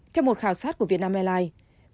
theo một khảo sát của vietnam airlines